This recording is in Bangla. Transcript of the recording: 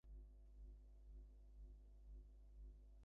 কেন এই রকম করতেছ দিপা?